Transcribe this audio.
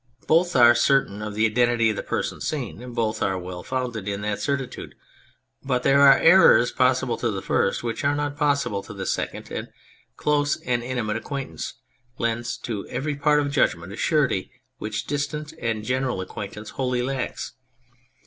Both are certain of the identity of the person seen, both are well founded in that certitude ; but there are errors possible to the first which are not possible to the second, and close and intimate acquaintance lends to every part of judgment a surety which distant and general acquaintance wholly lacks.